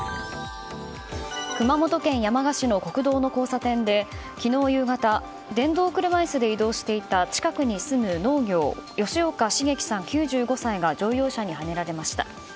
熊本県山鹿市の国道の交差点で昨日夕方電動車椅子で移動していた近くに住む農業吉岡茂樹さん、９５歳が乗用車にはねられました。